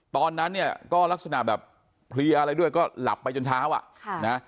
ตอนนั้นเนี่ยก็ลักษณะแบบเพลียอะไรด้วยก็หลับไปจนเช้าอ่ะนะ